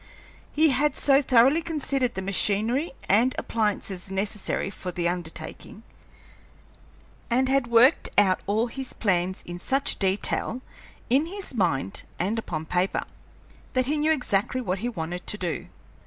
He had so thoroughly considered the machinery and appliances necessary for the undertaking, and had worked out all his plans in such detail, in his mind and upon paper, that he knew exactly what he wanted to do.